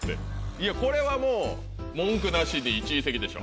いやこれはもう文句なしに１位席でしょ。